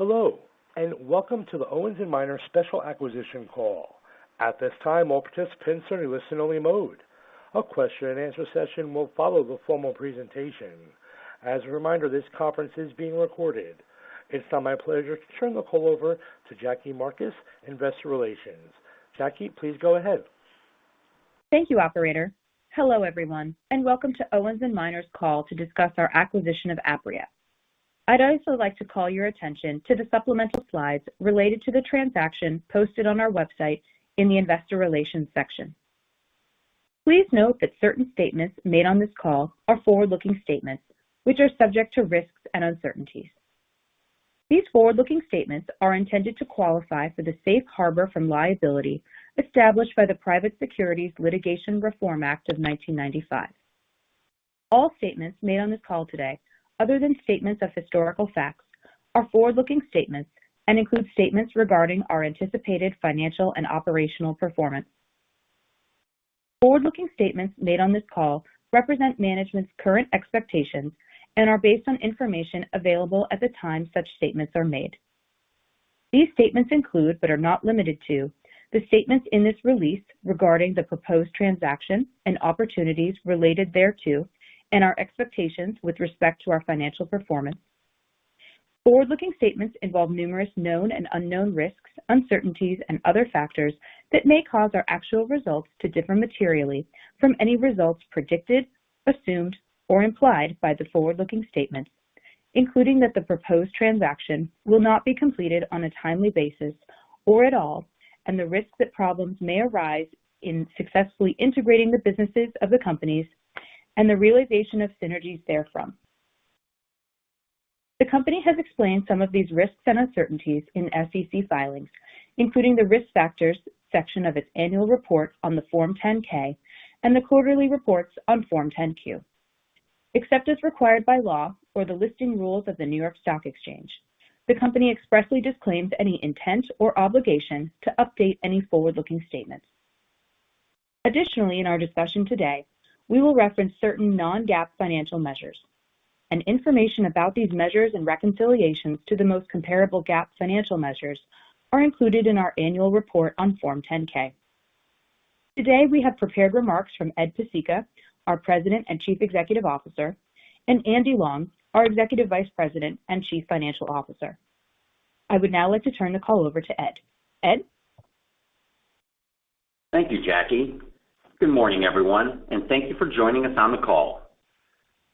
Hello, and welcome to the Owens & Minor Special Acquisition Call. At this time, all participants are in listen-only mode. A question-and-answer session will follow the formal presentation. As a reminder, this conference is being recorded. It's now my pleasure to turn the call over to Jackie Marcus, Investor Relations. Jackie, please go ahead Thank you, operator. Hello, everyone, and welcome to Owens & Minor's call to discuss our acquisition of Apria. I'd also like to call your attention to the supplemental slides related to the transaction posted on our website in the Investor Relations section. Please note that certain statements made on this call are forward-looking statements, which are subject to risks and uncertainties. These forward-looking statements are intended to qualify for the safe harbor from liability established by the Private Securities Litigation Reform Act of 1995. All statements made on this call today, other than statements of historical facts, are forward-looking statements and include statements regarding our anticipated financial and operational performance. Forward-looking statements made on this call represent management's current expectations and are based on information available at the time such statements are made. These statements include, but are not limited to, the statements in this release regarding the proposed transaction and opportunities related thereto and our expectations with respect to our financial performance. Forward-looking statements involve numerous known and unknown risks, uncertainties and other factors that may cause our actual results to differ materially from any results predicted, assumed, or implied by the forward-looking statements, including that the proposed transaction will not be completed on a timely basis or at all, and the risk that problems may arise in successfully integrating the businesses of the companies and the realization of synergies therefrom. The company has explained some of these risks and uncertainties in SEC filings, including the Risk Factors section of its Annual Report on the Form 10-K and the quarterly reports on Form 10-Q. Except as required by law or the listing rules of the New York Stock Exchange, the company expressly disclaims any intent or obligation to update any forward-looking statements. Additionally, in our discussion today, we will reference certain non-GAAP financial measures. Information about these measures and reconciliations to the most comparable GAAP financial measures are included in our Annual Report on Form 10-K. Today, we have prepared remarks from Ed Pesicka, our President and Chief Executive Officer, and Andy Long, our Executive Vice President and Chief Financial Officer. I would now like to turn the call over to Ed. Ed? Thank you, Jackie. Good morning, everyone, and thank you for joining us on the call.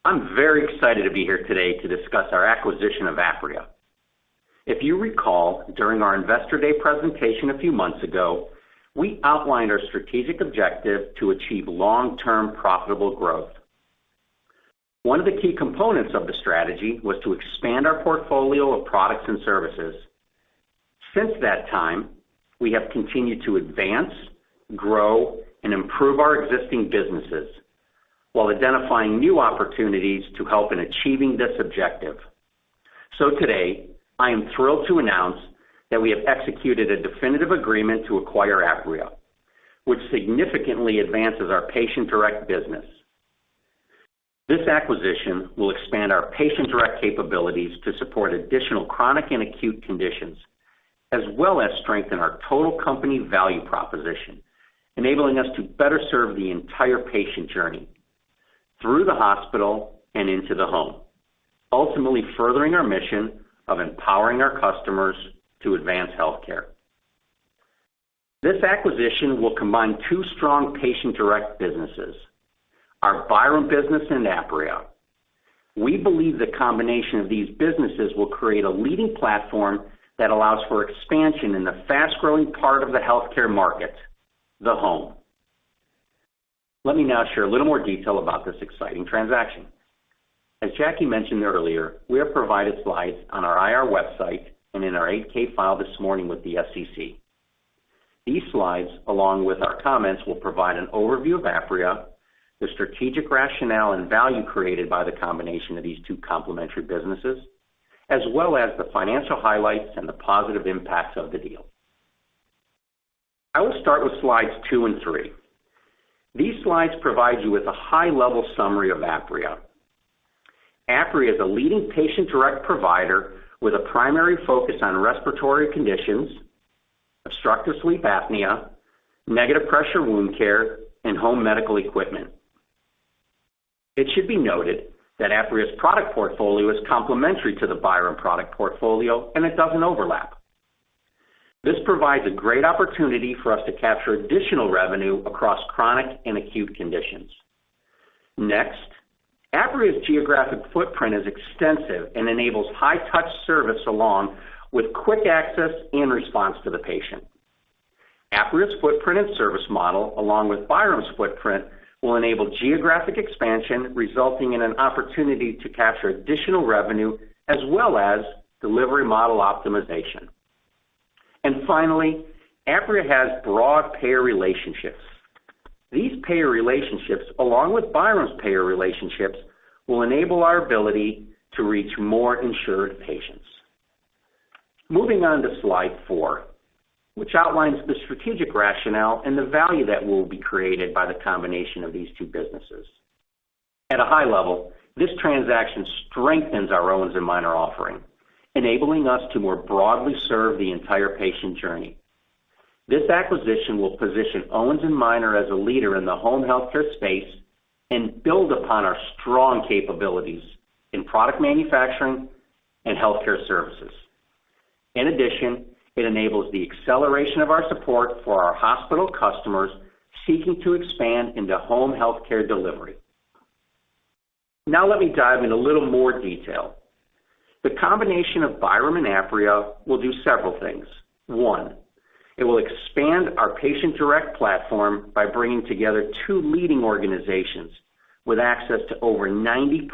I'm very excited to be here today to discuss our acquisition of Apria. If you recall, during our Investor Day presentation a few months ago, we outlined our strategic objective to achieve long-term profitable growth. One of the key components of the strategy was to expand our portfolio of products and services. Since that time, we have continued to advance, grow, and improve our existing businesses while identifying new opportunities to help in achieving this objective. Today, I am thrilled to announce that we have executed a definitive agreement to acquire Apria, which significantly advances our Patient Direct business. This acquisition will expand our patient-direct capabilities to support additional chronic and acute conditions, as well as strengthen our total company value proposition, enabling us to better serve the entire patient journey through the hospital and into the home, ultimately furthering our mission of empowering our customers to advance healthcare. This acquisition will combine two strong patient-direct businesses, our Byram business and Apria. We believe the combination of these businesses will create a leading platform that allows for expansion in the fast-growing part of the healthcare market, the home. Let me now share a little more detail about this exciting transaction. As Jackie mentioned earlier, we have provided slides on our IR website and in our 8-K file this morning with the SEC. These slides, along with our comments, will provide an overview of Apria, the strategic rationale and value created by the combination of these two complementary businesses, as well as the financial highlights and the positive impacts of the deal. I will start with slides two and three. These slides provide you with a high-level summary of Apria. Apria is a leading patient-direct provider with a primary focus on respiratory conditions, obstructive sleep apnea, negative pressure wound therapy, and home medical equipment. It should be noted that Apria's product portfolio is complementary to the Byram product portfolio, and it doesn't overlap. This provides a great opportunity for us to capture additional revenue across chronic and acute conditions. Next, Apria's geographic footprint is extensive and enables high-touch service along with quick access and response to the patient. Apria's footprint and service model, along with Byram's footprint, will enable geographic expansion, resulting in an opportunity to capture additional revenue as well as delivery model optimization. Finally, Apria has broad payer relationships. These payer relationships, along with Byram's payer relationships, will enable our ability to reach more insured patients. Moving on to slide four, which outlines the strategic rationale and the value that will be created by the combination of these two businesses. At a high level, this transaction strengthens our Owens & Minor offering, enabling us to more broadly serve the entire patient journey. This acquisition will position Owens & Minor as a leader in the home healthcare space and build upon our strong capabilities in product manufacturing and healthcare services. In addition, it enables the acceleration of our support for our hospital customers seeking to expand into home healthcare delivery. Now let me dive in a little more detail. The combination of Byram and Apria will do several things. One, it will expand our Patient Direct platform by bringing together two leading organizations with access to over 90%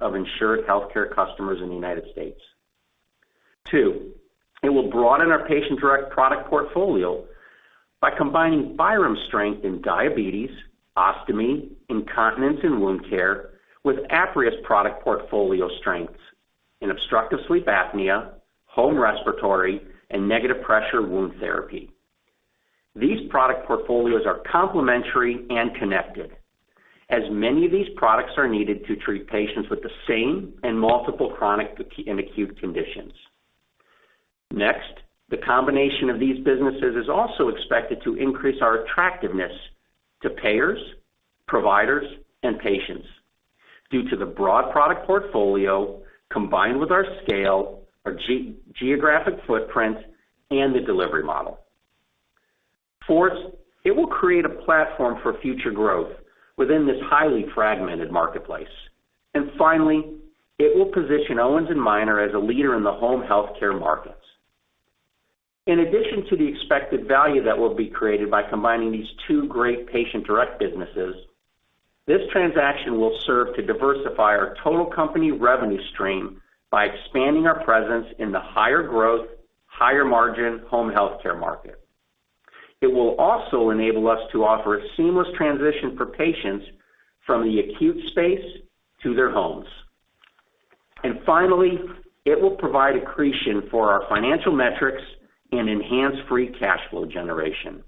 of insured healthcare customers in the United States. Two, it will broaden our Patient Direct product portfolio by combining Byram's strength in diabetes, ostomy, incontinence and wound care with Apria's product portfolio strengths in obstructive sleep apnea, home respiratory, and negative pressure wound therapy. These product portfolios are complementary and connected, as many of these products are needed to treat patients with the same and multiple chronic and acute conditions. Next, the combination of these businesses is also expected to increase our attractiveness to payers, providers, and patients due to the broad product portfolio combined with our scale, our geographic footprint, and the delivery model. Fourth, it will create a platform for future growth within this highly fragmented marketplace. Finally, it will position Owens & Minor as a leader in the home healthcare markets. In addition to the expected value that will be created by combining these two great Patient Direct businesses, this transaction will serve to diversify our total company revenue stream by expanding our presence in the higher growth, higher margin home healthcare market. It will also enable us to offer a seamless transition for patients from the acute space to their homes. Finally, it will provide accretion for our financial metrics and enhance free cash flow generation.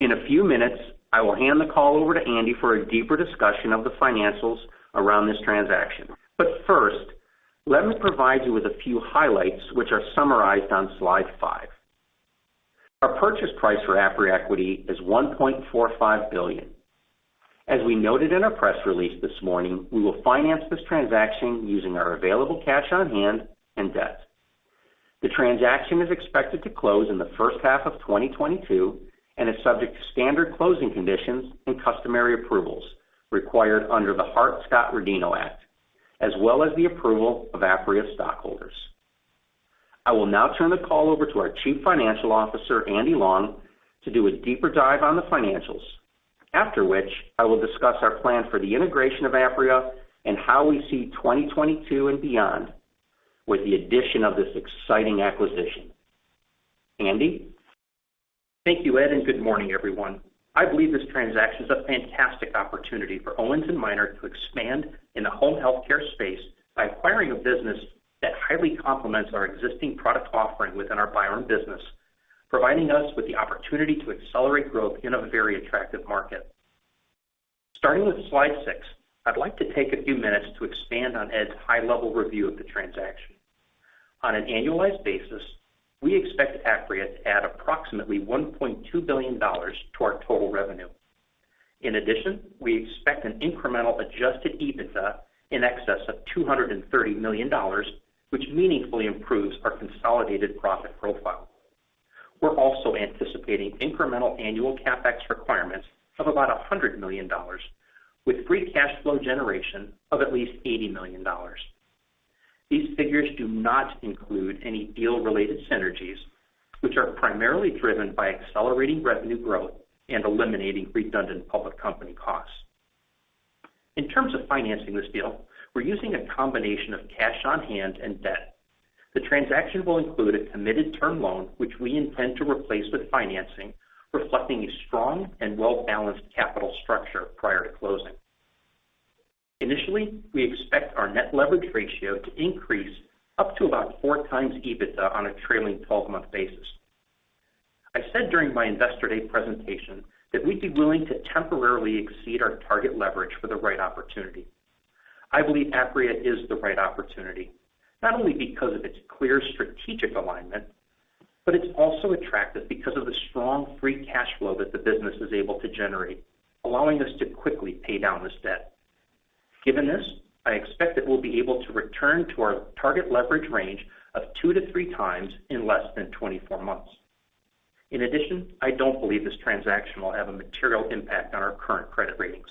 In a few minutes, I will hand the call over to Andy for a deeper discussion of the financials around this transaction. First, let me provide you with a few highlights which are summarized on slide five. Our purchase price for Apria equity is $1.45 billion. As we noted in our press release this morning, we will finance this transaction using our available cash on hand and debt. The transaction is expected to close in the first half of 2022 and is subject to standard closing conditions and customary approvals required under the Hart-Scott-Rodino Act, as well as the approval of Apria stockholders. I will now turn the call over to our Chief Financial Officer, Andy Long, to do a deeper dive on the financials, after which I will discuss our plan for the integration of Apria and how we see 2022 and beyond with the addition of this exciting acquisition. Andy? Thank you, Ed, and good morning, everyone. I believe this transaction is a fantastic opportunity for Owens & Minor to expand in the home healthcare space by acquiring a business that highly complements our existing product offering within our Byram business, providing us with the opportunity to accelerate growth in a very attractive market. Starting with slide six, I'd like to take a few minutes to expand on Ed's high-level review of the transaction. On an annualized basis, we expect Apria to add approximately $1.2 billion to our total revenue. In addition, we expect an incremental adjusted EBITDA in excess of $230 million, which meaningfully improves our consolidated profit profile. We're also anticipating incremental annual CapEx requirements of about $100 million with free cash flow generation of at least $80 million. These figures do not include any deal-related synergies, which are primarily driven by accelerating revenue growth and eliminating redundant public company costs. In terms of financing this deal, we're using a combination of cash on hand and debt. The transaction will include a committed term loan which we intend to replace with financing, reflecting a strong and well-balanced capital structure prior to closing. Initially, we expect our net leverage ratio to increase up to about 4x EBITDA on a trailing 12 month basis. I said during my Investor Day presentation that we'd be willing to temporarily exceed our target leverage for the right opportunity. I believe Apria is the right opportunity, not only because of its clear strategic alignment, but it's also attractive because of the strong free cash flow that the business is able to generate, allowing us to quickly pay down this debt. Given this, I expect that we'll be able to return to our target leverage range of 2x-3x in less than 24 months. In addition, I don't believe this transaction will have a material impact on our current credit ratings.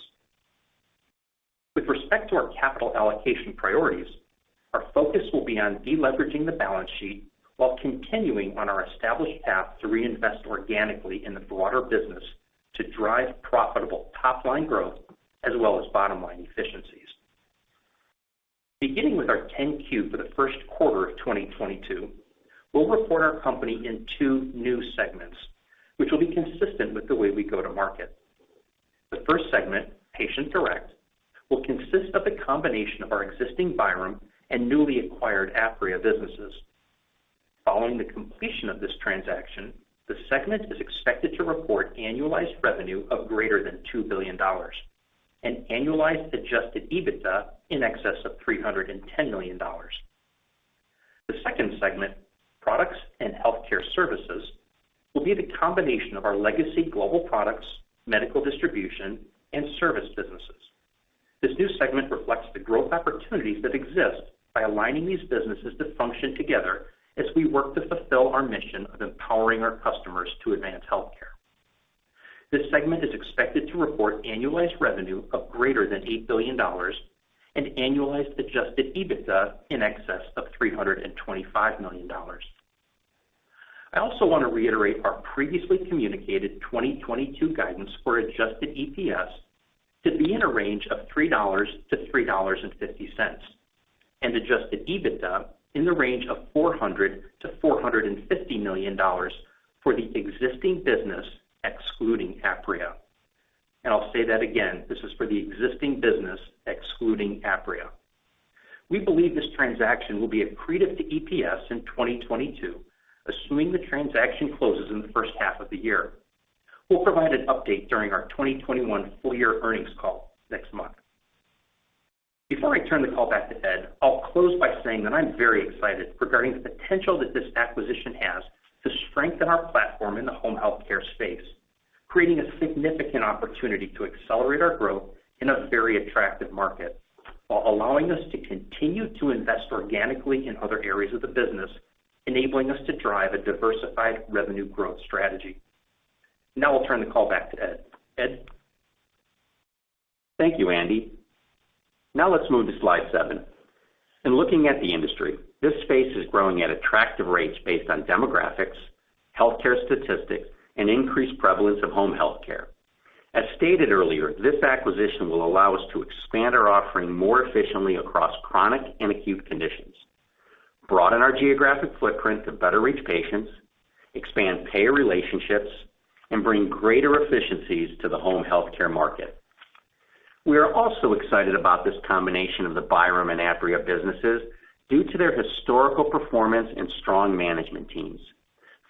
With respect to our capital allocation priorities, our focus will be on de-leveraging the balance sheet while continuing on our established path to reinvest organically in the broader business to drive profitable top-line growth as well as bottom-line efficiencies. Beginning with our 10-Q for the first quarter of 2022, we'll report our company in two new segments, which will be consistent with the way we go to market. The first segment, Patient Direct, will consist of a combination of our existing Byram and newly acquired Apria businesses. Following the completion of this transaction, the segment is expected to report annualized revenue of greater than $2 billion, and annualized adjusted EBITDA in excess of $310 million. The second segment, Products and Healthcare Services, will be the combination of our legacy global products, medical distribution, and service businesses. This new segment reflects the growth opportunities that exist by aligning these businesses to function together as we work to fulfill our mission of empowering our customers to advance healthcare. This segment is expected to report annualized revenue of greater than $8 billion and annualized adjusted EBITDA in excess of $325 million. I also want to reiterate our previously communicated 2022 guidance for adjusted EPS to be in a range of $3-$3.50, and adjusted EBITDA in the range of $400 million-$450 million for the existing business excluding Apria. I'll say that again. This is for the existing business excluding Apria. We believe this transaction will be accretive to EPS in 2022, assuming the transaction closes in the first half of the year. We'll provide an update during our 2021 full-year earnings call next month. Before I turn the call back to Ed, I'll close by saying that I'm very excited regarding the potential that this acquisition has to strengthen our platform in the home healthcare space, creating a significant opportunity to accelerate our growth in a very attractive market, while allowing us to continue to invest organically in other areas of the business, enabling us to drive a diversified revenue growth strategy. Now I'll turn the call back to Ed. Ed? Thank you, Andy. Now let's move to slide seven. In looking at the industry, this space is growing at attractive rates based on demographics, healthcare statistics, and increased prevalence of home healthcare. As stated earlier, this acquisition will allow us to expand our offering more efficiently across chronic and acute conditions, broaden our geographic footprint to better reach patients, expand payer relationships, and bring greater efficiencies to the home healthcare market. We are also excited about this combination of the Byram and Apria businesses due to their historical performance and strong management teams.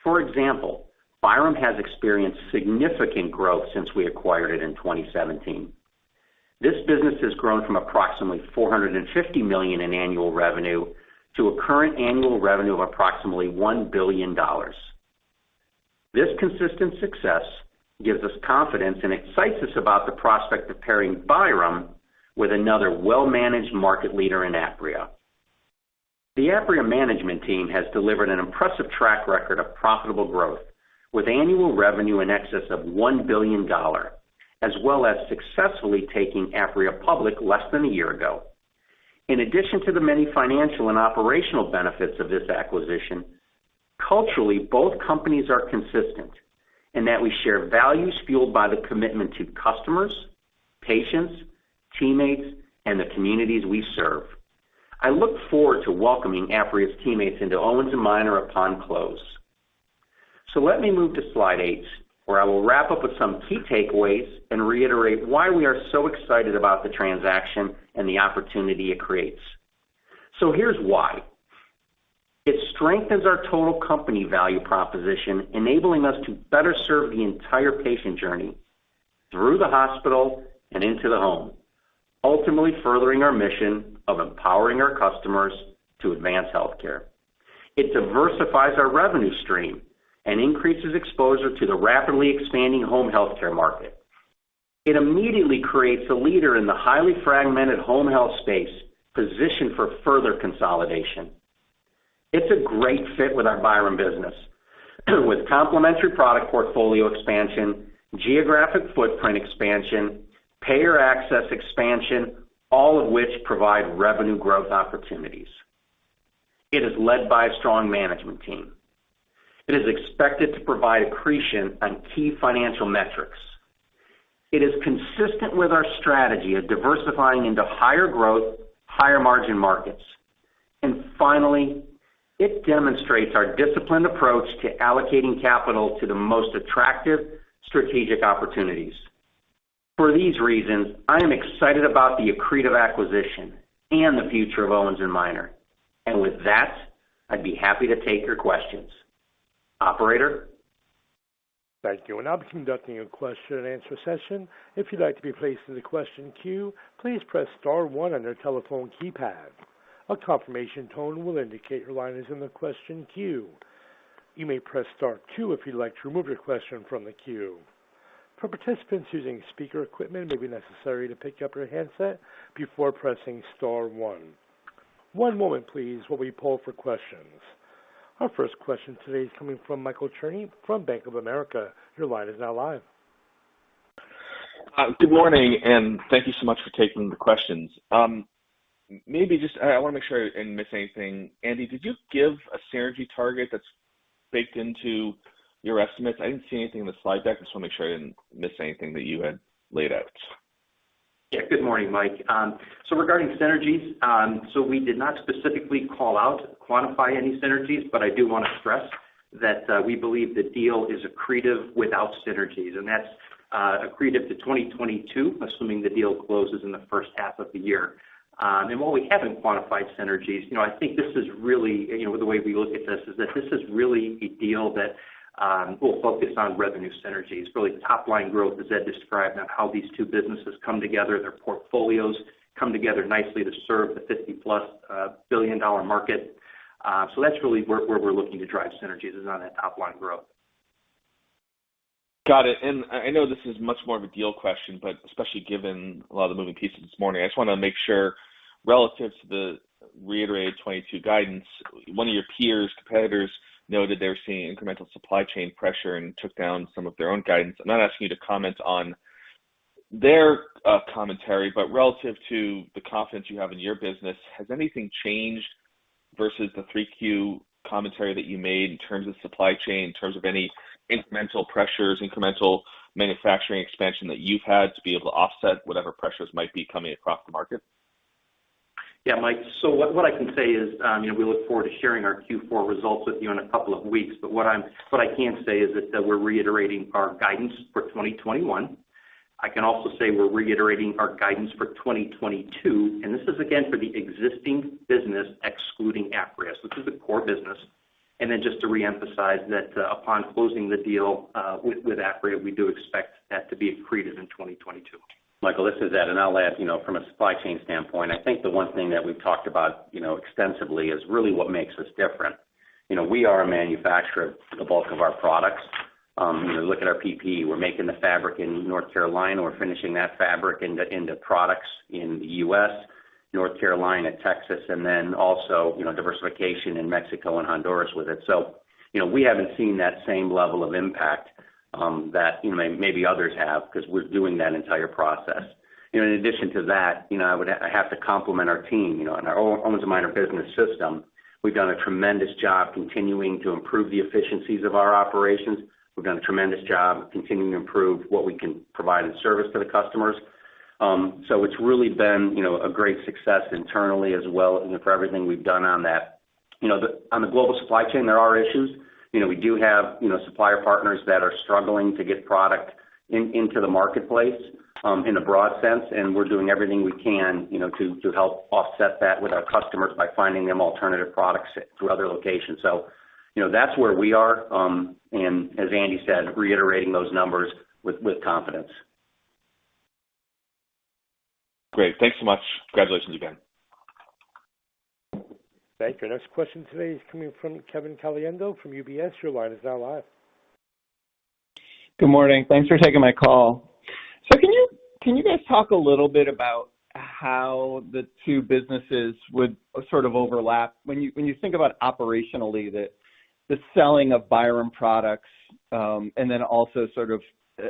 For example, Byram has experienced significant growth since we acquired it in 2017. This business has grown from approximately $450 million in annual revenue to a current annual revenue of approximately $1 billion. This consistent success gives us confidence and excites us about the prospect of pairing Byram with another well-managed market leader in Apria. The Apria management team has delivered an impressive track record of profitable growth with annual revenue in excess of $1 billion, as well as successfully taking Apria public less than a year ago. In addition to the many financial and operational benefits of this acquisition, culturally, both companies are consistent in that we share values fueled by the commitment to customers, patients, teammates, and the communities we serve. I look forward to welcoming Apria's teammates into Owens & Minor upon close. Let me move to slide eight, where I will wrap up with some key takeaways and reiterate why we are so excited about the transaction and the opportunity it creates. Here's why. It strengthens our total company value proposition, enabling us to better serve the entire patient journey through the hospital and into the home, ultimately furthering our mission of empowering our customers to advance healthcare. It diversifies our revenue stream and increases exposure to the rapidly expanding home healthcare market. It immediately creates a leader in the highly fragmented home health space positioned for further consolidation. It's a great fit with our Byram business, with complementary product portfolio expansion, geographic footprint expansion, payer access expansion, all of which provide revenue growth opportunities. It is led by a strong management team. It is expected to provide accretion on key financial metrics. It is consistent with our strategy of diversifying into higher growth, higher margin markets. Finally, it demonstrates our disciplined approach to allocating capital to the most attractive strategic opportunities. For these reasons, I am excited about the accretive acquisition and the future of Owens & Minor. With that, I'd be happy to take your questions. Operator? Thank you. We're now conducting a question-and-answer session. If you'd like to be placed in the question queue, please press star one on your telephone keypad. A confirmation tone will indicate your line is in the question queue. You may press star two if you'd like to remove your question from the queue. For participants using speaker equipment, it may be necessary to pick up your handset before pressing star one. One moment, please, while we poll for questions. Our first question today is coming from Michael Cherny from Bank of America. Your line is now live. Good morning, and thank you so much for taking the questions. Maybe just I wanna make sure I didn't miss anything. Andy, did you give a synergy target that's baked into your estimates? I didn't see anything in the slide deck. I just wanna make sure I didn't miss anything that you had laid out. Yeah. Good morning, Mike. Regarding synergies, we did not specifically call out, quantify any synergies, but I do wanna stress that we believe the deal is accretive without synergies, and that's accretive to 2022, assuming the deal closes in the first half of the year. While we haven't quantified synergies, you know, I think this is really, you know, the way we look at this is that this is really a deal that we'll focus on revenue synergies, really top line growth, as Ed described, on how these two businesses come together, their portfolios come together nicely to serve the $50+ billion market. That's really where we're looking to drive synergies is on that top line growth. Got it. I know this is much more of a deal question, but especially given a lot of the moving pieces this morning, I just wanna make sure, relative to the reiterated 2022 guidance, one of your peers, competitors noted they were seeing incremental supply chain pressure and took down some of their own guidance. I'm not asking you to comment on their commentary, but relative to the confidence you have in your business, has anything changed versus the 3Q commentary that you made in terms of supply chain, in terms of any incremental pressures, incremental manufacturing expansion that you've had to be able to offset whatever pressures might be coming across the market? Yeah, Mike. What I can say is, you know, we look forward to sharing our Q4 results with you in a couple of weeks, but what I can say is that we're reiterating our guidance for 2021. I can also say we're reiterating our guidance for 2022, and this is again for the existing business excluding Apria. This is the core business. Just to reemphasize that, upon closing the deal with Apria, we do expect that to be accretive in 2022. Michael, this is Ed, and I'll add, you know, from a supply chain standpoint, I think the one thing that we've talked about, you know, extensively is really what makes us different. You know, we are a manufacturer of the bulk of our products. You know, look at our PPE, we're making the fabric in North Carolina, we're finishing that fabric into products in the U.S., North Carolina, Texas, and then also, you know, diversification in Mexico and Honduras with it. You know, we haven't seen that same level of impact, that, you know, maybe others have 'cause we're doing that entire process. You know, in addition to that, you know, I have to compliment our team. You know, in our Owens & Minor business system, we've done a tremendous job continuing to improve the efficiencies of our operations. We've done a tremendous job of continuing to improve what we can provide in service to the customers. It's really been, you know, a great success internally as well, you know, for everything we've done on that. On the global supply chain, there are issues. You know, we do have, you know, supplier partners that are struggling to get product in, into the marketplace, in a broad sense, and we're doing everything we can, you know, to help offset that with our customers by finding them alternative products through other locations. You know, that's where we are, and as Andy said, reiterating those numbers with confidence. Great. Thanks so much. Congratulations again. Thank you. Next question today is coming from Kevin Caliendo from UBS. Your line is now live. Good morning. Thanks for taking my call. Can you guys talk a little bit about how the two businesses would sort of overlap when you think about operationally the selling of Byram products, and then also sort of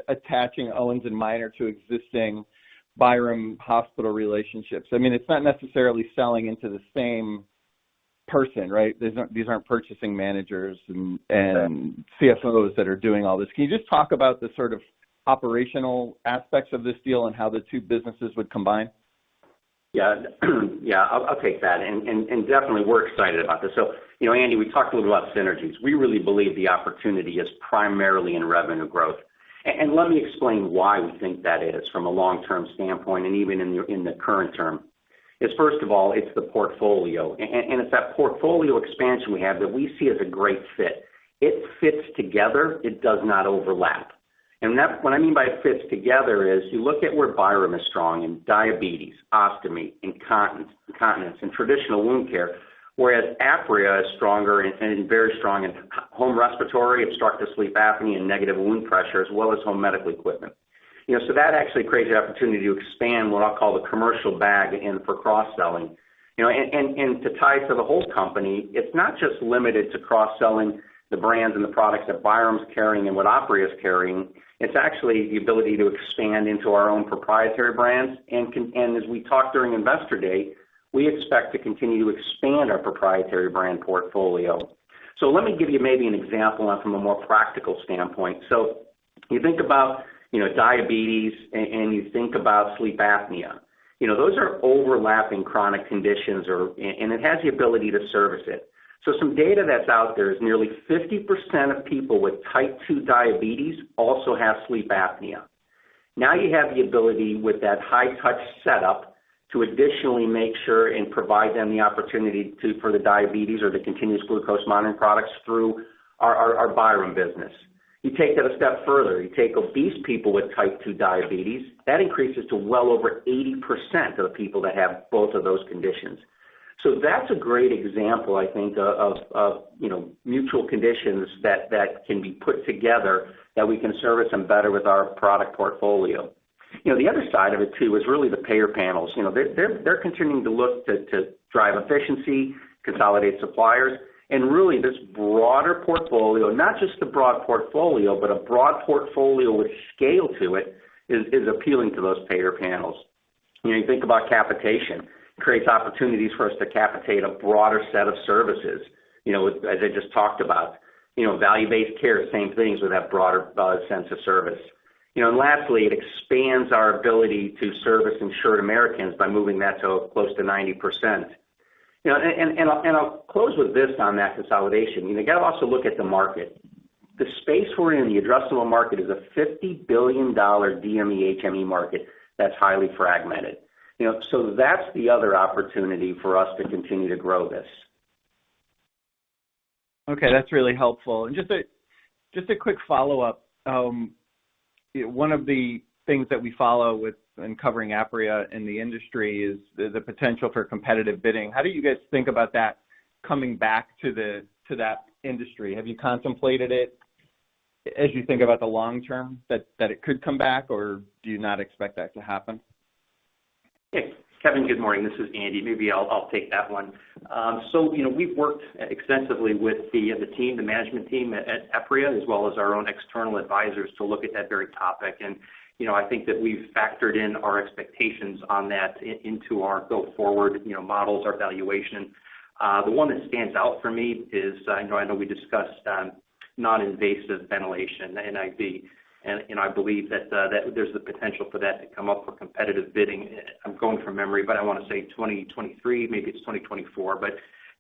attaching Owens & Minor to existing Byram hospital relationships. I mean, it's not necessarily selling into the same person, right? These aren't purchasing managers and CSOs that are doing all this. Can you just talk about the sort of operational aspects of this deal and how the two businesses would combine? Yeah. I'll take that. Definitely we're excited about this. You know, Andy, we talked a little about synergies. We really believe the opportunity is primarily in revenue growth. Let me explain why we think that is from a long-term standpoint, and even in the current term. First of all, it's the portfolio. It's that portfolio expansion we have that we see as a great fit. It fits together. It does not overlap. What I mean by it fits together is you look at where Byram is strong in diabetes, ostomy, incontinence, and traditional wound care, whereas Apria is stronger and very strong in home respiratory, obstructive sleep apnea, and negative pressure wound, as well as home medical equipment. You know, that actually creates the opportunity to expand what I'll call the commercial bag in for cross-selling. You know, and to tie to the whole company, it's not just limited to cross-selling the brands and the products that Byram's carrying and what Apria is carrying. It's actually the ability to expand into our own proprietary brands. As we talked during Investor Day, we expect to continue to expand our proprietary brand portfolio. Let me give you maybe an example on from a more practical standpoint. You think about, you know, diabetes and you think about sleep apnea. You know, those are overlapping chronic conditions and it has the ability to service it. Some data that's out there is nearly 50% of people with Type 2 diabetes also have sleep apnea. Now you have the ability with that high touch setup to additionally make sure and provide them the opportunity to, for the diabetes or the continuous glucose monitoring products through our Byram business. You take that a step further, you take obese people with Type 2 diabetes, that increases to well over 80% of people that have both of those conditions. That's a great example, I think, of you know, mutual conditions that can be put together that we can service them better with our product portfolio. You know, the other side of it too is really the payer panels. You know, they're continuing to look to drive efficiency, consolidate suppliers. Really this broader portfolio, not just the broad portfolio, but a broad portfolio with scale to it, is appealing to those payer panels. You know, you think about capitation. It creates opportunities for us to capitate a broader set of services, you know, as I just talked about. You know, value-based care, same things with that broader sense of service. You know, and lastly, it expands our ability to service insured Americans by moving that to close to 90%. You know, and I'll close with this on that consolidation. You know, you gotta also look at the market. The space we're in, the addressable market is a $50 billion DME HME market that's highly fragmented, you know. That's the other opportunity for us to continue to grow this. Okay, that's really helpful. Just a quick follow-up. One of the things that we follow within covering Apria in the industry is the potential for competitive bidding. How do you guys think about that coming back to that industry? Have you contemplated it as you think about the long term that it could come back, or do you not expect that to happen? Yeah. Kevin, good morning. This is Andy. Maybe I'll take that one. So you know, we've worked extensively with the team, the management team at Apria, as well as our own external advisors to look at that very topic. You know, I think that we've factored in our expectations on that into our go forward, you know, models, our valuation. The one that stands out for me is, I know we discussed non-invasive ventilation, NIV, and, you know, I believe that there's the potential for that to come up for competitive bidding. I'm going from memory, but I wanna say 2023, maybe it's 2024.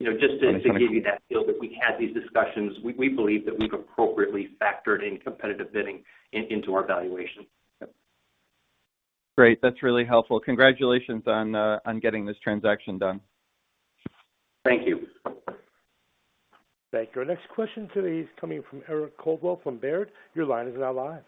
You know, just to give you that feel that we had these discussions, we believe that we've appropriately factored in competitive bidding into our valuation. Great. That's really helpful. Congratulations on getting this transaction done. Thank you. Thank you. Our next question today is coming from Eric Coldwell from Baird. Your line is now live.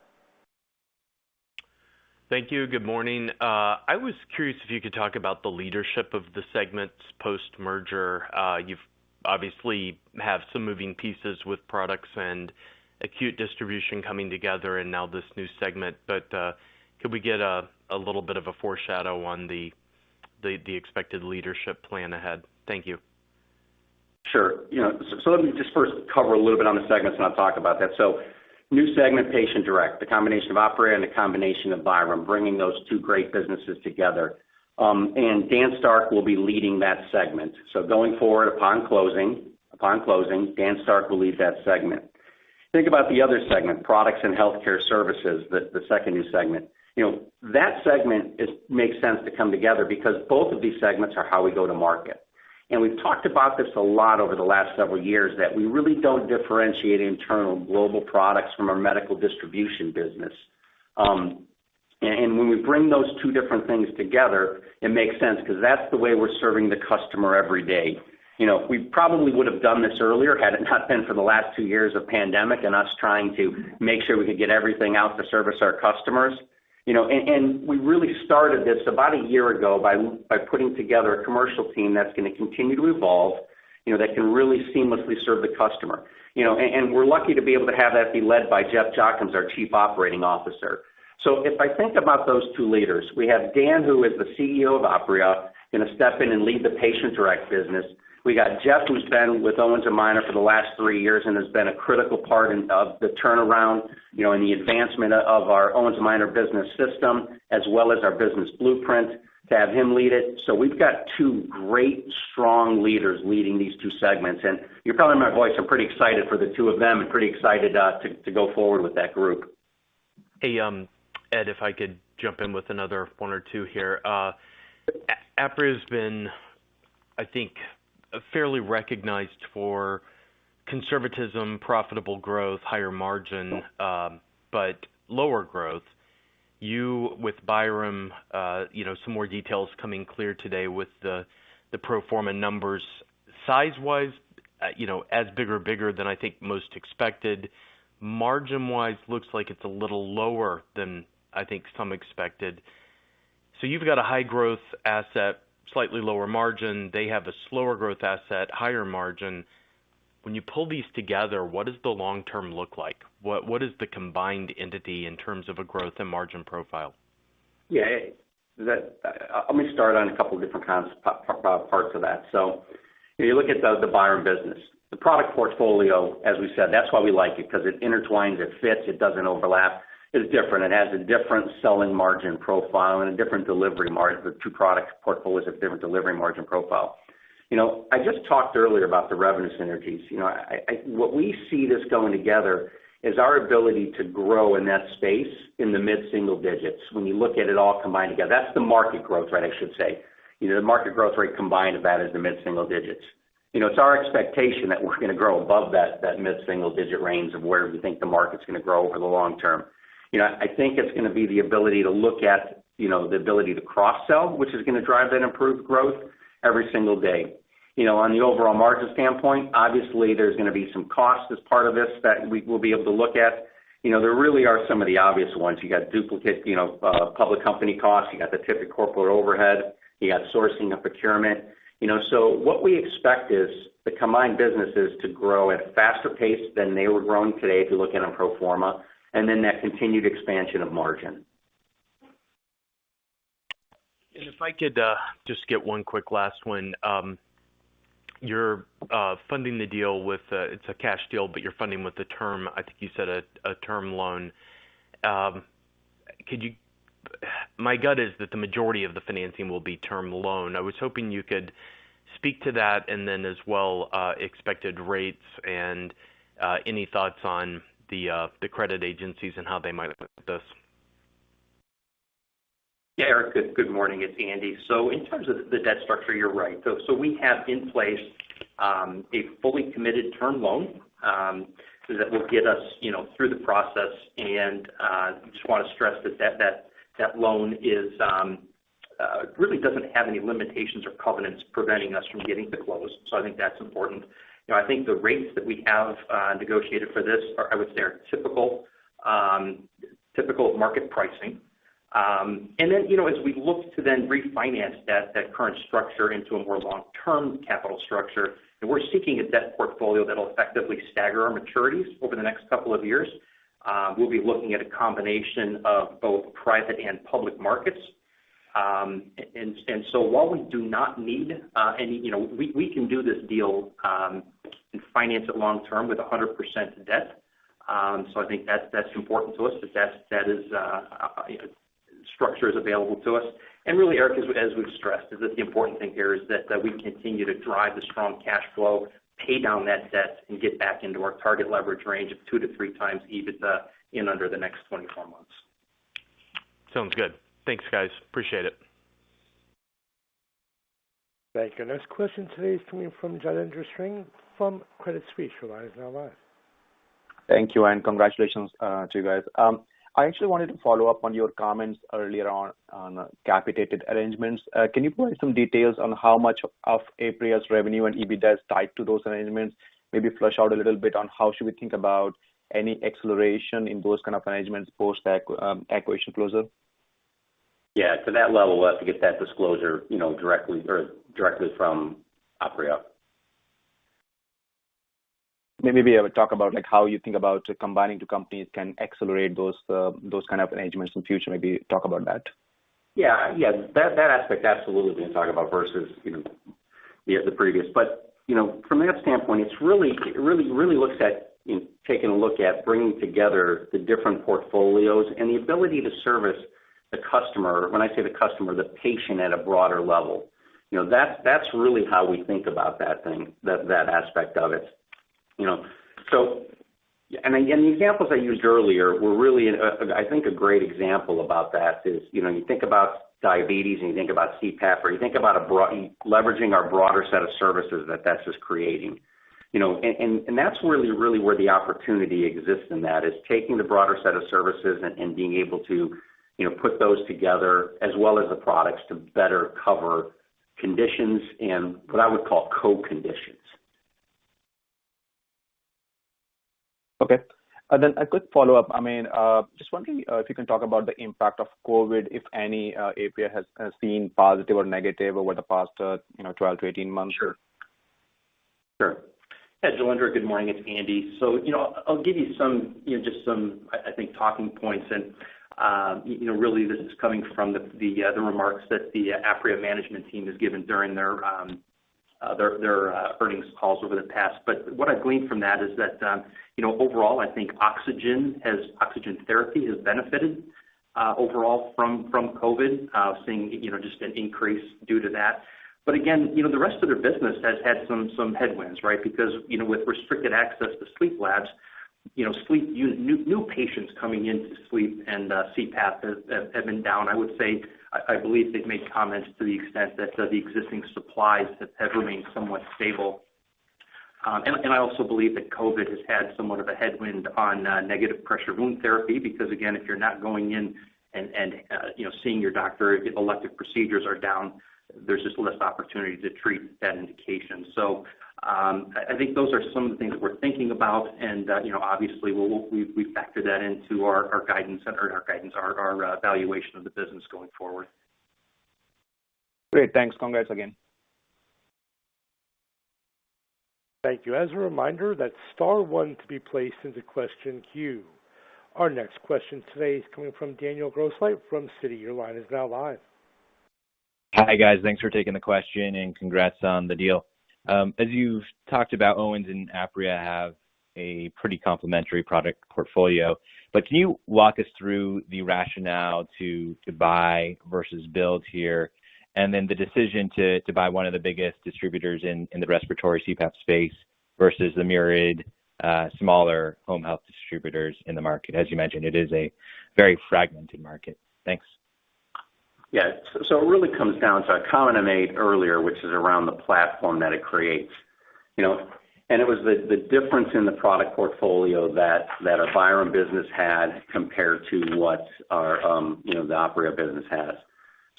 Thank you. Good morning. I was curious if you could talk about the leadership of the segments post-merger. You obviously have some moving pieces with products and acute distribution coming together and now this new segment, but could we get a little bit of a foreshadow on the expected leadership plan ahead? Thank you. Sure. You know, let me just first cover a little bit on the segments, and I'll talk about that. New segment, Patient Direct, the combination of Apria and the combination of Byram, bringing those two great businesses together, and Dan Starck will be leading that segment. Going forward upon closing, Dan Starck will lead that segment. Think about the other segment, Products & Healthcare Services, the second new segment. You know, that segment makes sense to come together because both of these segments are how we go to market. We've talked about this a lot over the last several years, that we really don't differentiate internal global products from our medical distribution business. When we bring those two different things together, it makes sense because that's the way we're serving the customer every day. We probably would have done this earlier had it not been for the last two years of pandemic and us trying to make sure we could get everything out to service our customers. You know, we really started this about a year ago by putting together a commercial team that's gonna continue to evolve, you know, that can really seamlessly serve the customer. You know, we're lucky to be able to have that be led by Jeff Jochims, our Chief Operating Officer. If I think about those two leaders, we have Dan, who is the CEO of Apria, gonna step in and lead the Patient Direct business. We got Jeff, who's been with Owens & Minor for the last three years and has been a critical part of the turnaround, you know, in the advancement of our Owens & Minor business system as well as our business blueprint to have him lead it. We've got two great, strong leaders leading these two segments. You can tell in my voice I'm pretty excited for the two of them and pretty excited to go forward with that group. Hey, Ed, if I could jump in with another one or two here. Apria has been, I think, fairly recognized for conservatism, profitable growth, higher margin, but lower growth. You with Byram, you know, some more details coming clear today with the pro forma numbers. Size-wise, you know, as bigger than I think most expected. Margin-wise, looks like it's a little lower than I think some expected. So you've got a high growth asset, slightly lower margin. They have a slower growth asset, higher margin. When you pull these together, what does the long term look like? What is the combined entity in terms of a growth and margin profile? Let me start on a couple different parts of that. If you look at the Byram business, the product portfolio, as we said, that's why we like it, 'cause it intertwines, it fits, it doesn't overlap. It's different. It has a different selling margin profile and a different delivery margin. The two product portfolios have different delivery margin profile. You know, I just talked earlier about the revenue synergies. You know, what we see this going together is our ability to grow in that space in the mid-single digits when you look at it all combined together. That's the market growth rate, I should say. You know, the market growth rate combined of that is the mid-single digits. It's our expectation that we're gonna grow above that mid-single-digit range of where we think the market's gonna grow over the long term. You know, I think it's gonna be the ability to look at, you know, the ability to cross-sell, which is gonna drive that improved growth every single day. You know, on the overall margin standpoint, obviously, there's gonna be some costs as part of this that we will be able to look at. You know, there really are some of the obvious ones. You got duplicate, you know, public company costs. You got the typical corporate overhead. You got sourcing and procurement. You know, so what we expect is the combined businesses to grow at a faster pace than they were growing today if you look at them pro forma, and then that continued expansion of margin. If I could just get one quick last one. You're funding the deal with. It's a cash deal, but you're funding with the term, I think you said a term loan. Could you my gut is that the majority of the financing will be term loan. I was hoping you could speak to that, and then as well, expected rates and, any thoughts on the credit agencies and how they might look at this. Yeah. Eric, good morning. It's Andy. In terms of the debt structure, you're right. We have in place a fully committed term loan that will get us, you know, through the process. I just wanna stress that that loan really doesn't have any limitations or covenants preventing us from getting to close. I think that's important. You know, I think the rates that we have negotiated for this are, I would say, typical of market pricing. You know, as we look to refinance that current structure into a more long-term capital structure, and we're seeking a debt portfolio that'll effectively stagger our maturities over the next couple of years, we'll be looking at a combination of both private and public markets. While we do not need any, you know. We can do this deal and finance it long term with 100% debt. I think that's important to us, that that structure is available to us. Really, Eric, as we've stressed is that the important thing here is that we continue to drive the strong cash flow, pay down that debt, and get back into our target leverage range of 2x-3x EBITDA in under the next 24 months. Sounds good. Thanks, guys. Appreciate it. Thank you. Next question today is coming from Jailendra Singh from Credit Suisse. Your line is now live. Thank you, and congratulations, to you guys. I actually wanted to follow up on your comments earlier on capitated arrangements. Can you provide some details on how much of Apria's revenue and EBITDA is tied to those arrangements? Maybe flesh out a little bit on how we should think about any acceleration in those kind of arrangements post acquisition closure. Yeah. To that level, we'll have to get that disclosure, you know, directly from Apria. Maybe I would talk about, like, how you think about combining the companies can accelerate those kind of arrangements in future. Maybe talk about that. Yeah. Yeah. That aspect absolutely we can talk about versus, you know, the previous. You know, from that standpoint, it's really looks at taking a look at bringing together the different portfolios and the ability to service the customer. When I say the customer, the patient at a broader level. You know, that's really how we think about that thing, that aspect of it, you know. The examples I used earlier were really, I think a great example about that is, you know, you think about diabetes, and you think about CPAP, or you think about leveraging our broader set of services that that's just creating. You know, that's really where the opportunity exists in that, is taking the broader set of services and being able to, you know, put those together as well as the products to better cover conditions and what I would call co-conditions. Okay. A quick follow-up. I mean, just wondering if you can talk about the impact of COVID, if any, Apria has seen positive or negative over the past, you know, 12-18 months? Yeah, Jailendra, good morning. It's Andy. So, you know, I'll give you some you know just some I think talking points and you know really this is coming from the remarks that the Apria management team has given during their earnings calls over the past. What I've gleaned from that is that you know overall I think oxygen therapy has benefited overall from COVID seeing you know just an increase due to that. Again you know the rest of their business has had some headwinds right? Because you know with restricted access to sleep labs you know new patients coming into sleep and CPAP have been down. I would say, I believe they've made comments to the extent that the existing supplies have remained somewhat stable. I also believe that COVID has had somewhat of a headwind on negative pressure wound therapy because again, if you're not going in and you know, seeing your doctor, if elective procedures are down, there's just less opportunity to treat that indication. I think those are some of the things that we're thinking about. You know, obviously, we've factored that into our guidance or our valuation of the business going forward. Great. Thanks. Congrats again. Thank you. As a reminder, that's star one to be placed into question queue. Our next question today is coming from Daniel Grosslight from Citi. Your line is now live. Hi, guys. Thanks for taking the question, and congrats on the deal. As you've talked about, Owens and Apria have a pretty complementary product portfolio, but can you walk us through the rationale to buy versus build here? The decision to buy one of the biggest distributors in the respiratory CPAP space versus the myriad smaller home health distributors in the market. As you mentioned, it is a very fragmented market. Thanks. Yeah. It really comes down to a comment I made earlier, which is around the platform that it creates, you know. It was the difference in the product portfolio that our Byram business had compared to what our, you know, the Apria business has.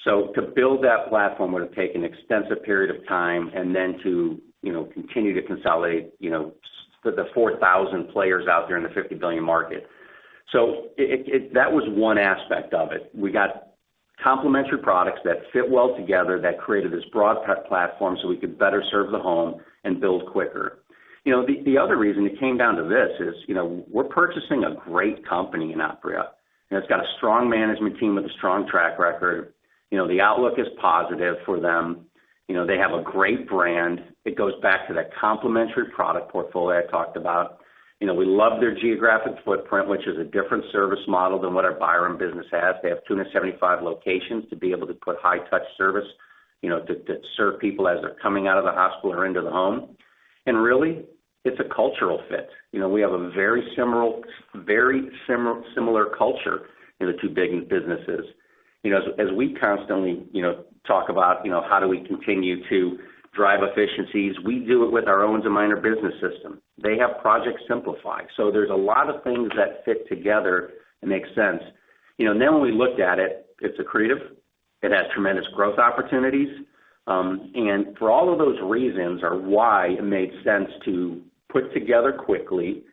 To build that platform would have taken an extensive period of time, and then to, you know, continue to consolidate, you know, the 4,000 players out there in the $50 billion market. That was one aspect of it. We got complementary products that fit well together, that created this broad platform so we could better serve the home and build quicker. You know, the other reason it came down to this is, you know, we're purchasing a great company in Apria, and it's got a strong management team with a strong track record. You know, the outlook is positive for them. You know, they have a great brand. It goes back to that complementary product portfolio I talked about. You know, we love their geographic footprint, which is a different service model than what our Byram business has. They have 275 locations to be able to put high touch service, you know, to serve people as they're coming out of the hospital or into the home. Really, it's a cultural fit. You know, we have a very similar culture in the two big businesses. You know, we constantly talk about how do we continue to drive efficiencies. We do it with our Owens & Minor business system. They have Project Simplify. There's a lot of things that fit together and make sense. You know, when we looked at it's accretive, it has tremendous growth opportunities. For all of those reasons are why it made sense to put together quickly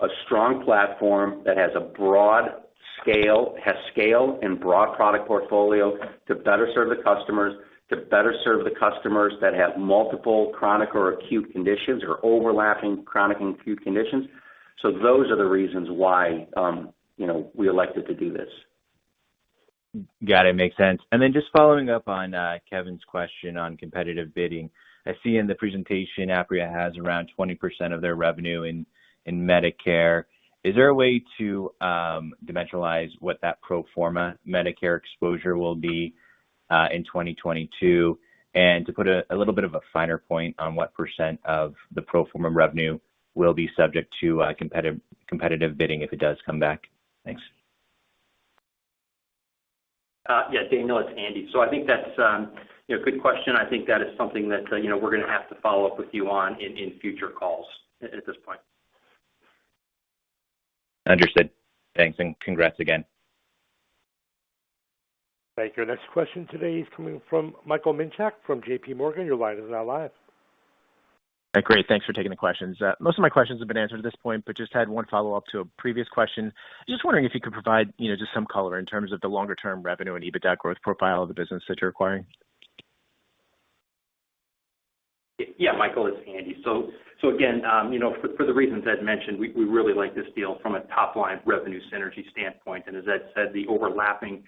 a strong platform that has a broad scale, has scale and broad product portfolio to better serve the customers that have multiple chronic or acute conditions or overlapping chronic and acute conditions. Those are the reasons why, you know, we elected to do this. Got it. Makes sense. Then just following up on Kevin's question on competitive bidding. I see in the presentation, Apria has around 20% of their revenue in Medicare. Is there a way to dimensionalize what that pro forma Medicare exposure will be in 2022? To put a little bit of a finer point on what % of the pro forma revenue will be subject to competitive bidding if it does come back? Thanks. Yeah, Daniel, it's Andy. I think that's, you know, good question. I think that is something that, you know, we're gonna have to follow up with you on in future calls at this point. Understood. Thanks and congrats again. Thank you. Next question today is coming from Michael Minchak from JPMorgan. Your line is now live. Great. Thanks for taking the questions. Most of my questions have been answered at this point, but just had one follow-up to a previous question. Just wondering if you could provide, you know, just some color in terms of the longer term revenue and EBITDA growth profile of the business that you're acquiring. Yeah. Yeah, Michael, it's Andy. Again, you know, for the reasons Ed mentioned, we really like this deal from a top line revenue synergy standpoint. As Ed said, the overlapping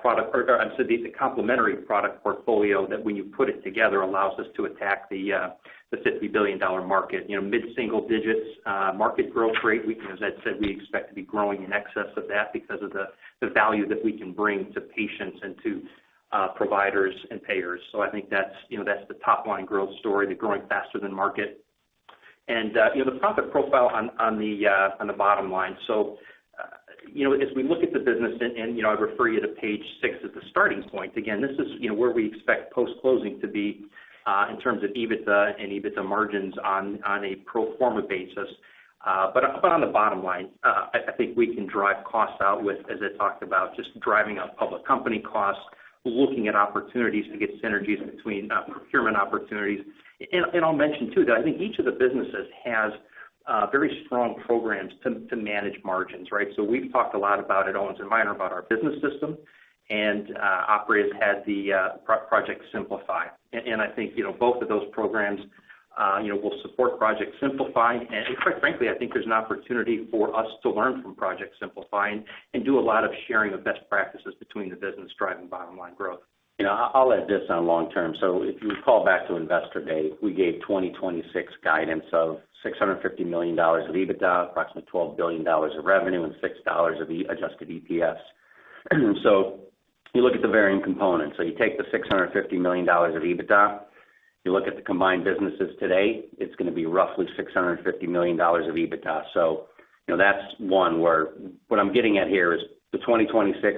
product, as I said, the complementary product portfolio that when you put it together allows us to attack the $50 billion market, you know, mid-single digits market growth rate. We can, as Ed said, expect to be growing in excess of that because of the value that we can bring to patients and to providers and payers. I think that's the top line growth story, they're growing faster than market. You know, the profit profile on the bottom line. As we look at the business and you know, I'd refer you to page six as a starting point. Again, this is you know, where we expect post-closing to be in terms of EBITDA and EBITDA margins on a pro forma basis. On the bottom line, I think we can drive costs out with, as I talked about, just driving out public company costs, looking at opportunities to get synergies between procurement opportunities. I'll mention too, that I think each of the businesses has very strong programs to manage margins, right? We've talked a lot about Owens & Minor's business system, and Apria's had the Project Simplify. I think you know, both of those programs you know, will support Project Simplify. Quite frankly, I think there's an opportunity for us to learn from Project Simplify and do a lot of sharing of best practices between the business driving bottom line growth. You know, I'll add this on long term. If you recall back to Investor Day, we gave 2026 guidance of $650 million of EBITDA, approximately $12 billion of revenue, and $6 of adjusted EPS. You look at the varying components. You take the $650 million of EBITDA, you look at the combined businesses today, it's gonna be roughly $650 million of EBITDA. You know, that's one where what I'm getting at here is the 2026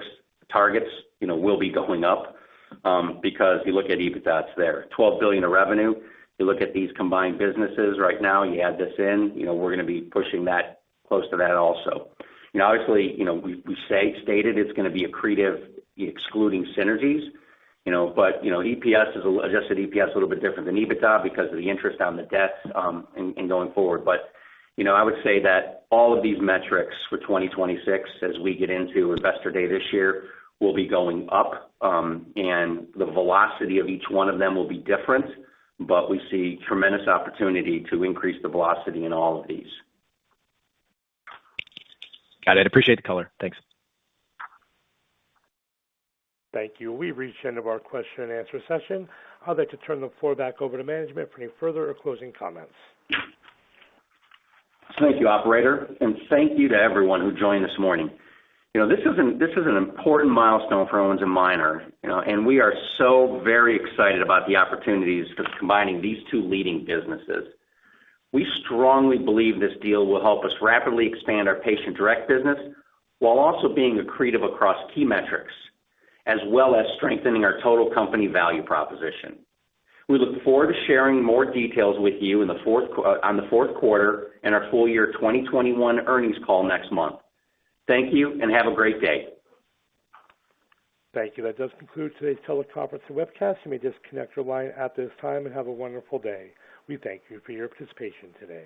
targets, you know, will be going up, because you look at EBITDAs there. $12 billion of revenue. You look at these combined businesses right now, you add this in, you know, we're gonna be pushing that close to that also. You know, obviously, you know, we stated it's gonna be accretive excluding synergies, you know. You know, adjusted EPS is a little bit different than EBITDA because of the interest on the debt, and going forward. You know, I would say that all of these metrics for 2026 as we get into Investor Day this year, will be going up, and the velocity of each one of them will be different, but we see tremendous opportunity to increase the velocity in all of these. Got it. Appreciate the color. Thanks. Thank you. We've reached the end of our question and answer session. I'd like to turn the floor back over to management for any further or closing comments. Thank you, operator, and thank you to everyone who joined this morning. You know, this is an important milestone for Owens & Minor, you know, and we are so very excited about the opportunities for combining these two leading businesses. We strongly believe this deal will help us rapidly expand our Patient Direct business while also being accretive across key metrics, as well as strengthening our total company value proposition. We look forward to sharing more details with you on the fourth quarter and our full-year 2021 earnings call next month. Thank you, and have a great day. Thank you. That does conclude today's teleconference and webcast. You may disconnect your line at this time, and have a wonderful day. We thank you for your participation today.